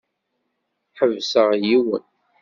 Ḥebseɣ yiwen.